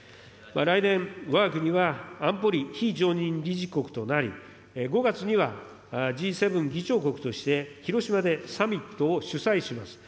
来年、わが国は安保理非常任理事国となり、５月にはＧ７議長国として広島でサミットを主催します。